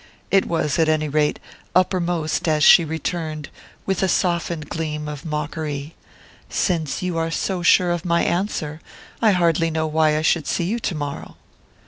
It was, at any rate, uppermost as she returned, with a softened gleam of mockery: "Since you are so sure of my answer I hardly know why I should see you tomorrow."